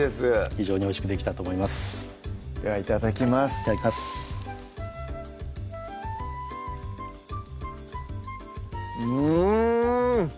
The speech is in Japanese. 非常においしくできたと思いますじゃあいただきますいただきますうん！